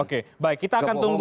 oke baik kita akan tunggu